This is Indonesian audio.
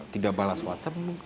tidak balas whatsapp